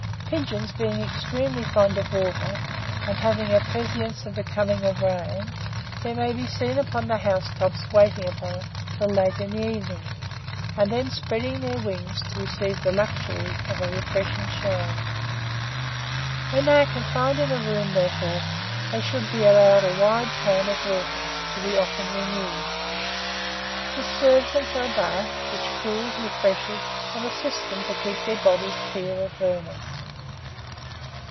Pigeons being exceedingly fond of water, and having a prescience of the coming of rain, they may be seen upon the house tops waiting upon it until late in the evening, and then spreading their wings to receive the luxury of the refreshing shower. When they are confined in a room, therefore, they should be allowed a wide pan of water, to be often renewed. This serves them for a bath, which cools, refreshes, and assists them to keep their bodies clear of vermin.